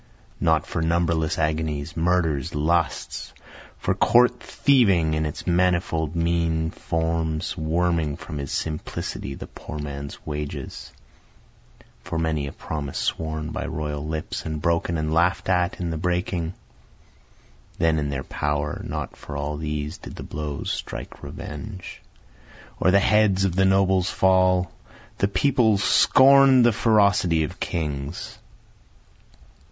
Not for numberless agonies, murders, lusts, For court thieving in its manifold mean forms, worming from his simplicity the poor man's wages, For many a promise sworn by royal lips and broken and laugh'd at in the breaking, Then in their power not for all these did the blows strike revenge, or the heads of the nobles fall; The People scorn'd the ferocity of kings.